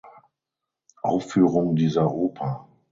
Aufführung dieser Oper.